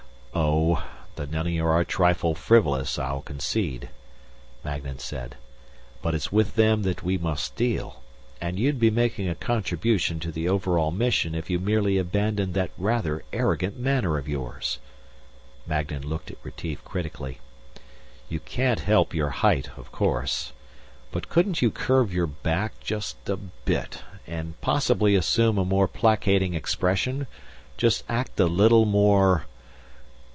"Oh, the Nenni are a trifle frivolous, I'll concede," Magnan said. "But it's with them that we must deal. And you'd be making a contribution to the overall mission if you merely abandoned that rather arrogant manner of yours." Magnan looked at Retief critically. "You can't help your height, of course. But couldn't you curve your back just a bit and possibly assume a more placating expression? Just act a little more...."